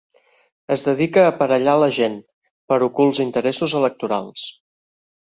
Es dedica a aparellar la gent, per ocults interessos electorals.